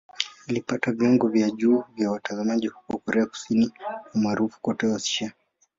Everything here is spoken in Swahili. Ilipata viwango vya juu vya watazamaji huko Korea Kusini na umaarufu kote Asia.